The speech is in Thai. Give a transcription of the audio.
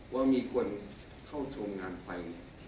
ว่ามีคนเข้าชมงานไป